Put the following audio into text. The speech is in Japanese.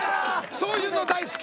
そういうの大好き！